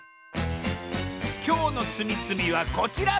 きょうのつみつみはこちら！